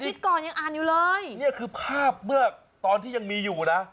ก่อนยังอ่านอยู่เลยนี่คือภาพเมื่อตอนที่ยังมีอยู่นะ